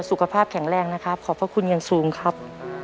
สุขภาพแข็งแรงนะครับขอบพระคุณอย่างสูงครับ